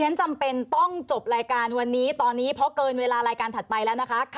ฐานายสงการไม่ต้องหลอกล่อออกไปเลย